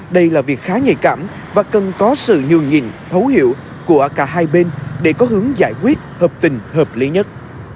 đây là việc khá nhạy cảm và cần có sự nhường nhịn thấu hiểu của cả hai bên để có hướng giải quyết hợp tình hợp lý nhất